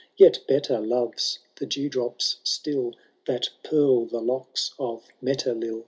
Yet better loves the dewdrops still That pearl the locks of Metelill.